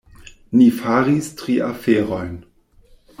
Ni faris tri aferojn.